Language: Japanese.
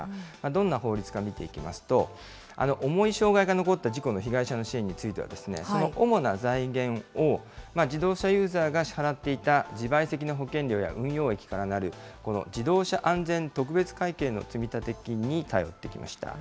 どんな法律か見ていきますと、重い障害が残った事故の被害者の支援については、その主な財源を自動車ユーザーが支払っていた自賠責の保険料や、運用益からなるこの自動車安全特別会計の積立金に頼ってきました。